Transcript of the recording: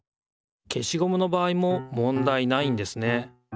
消しゴムのばあいももんだいないんですね。